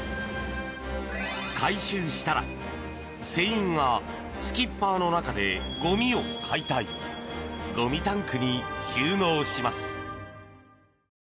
回収したら、船員がスキッパーの中でゴミを解体ゴミタンクに収納します。